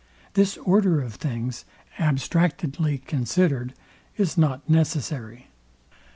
This order of things, abstractedly considered, is not necessary.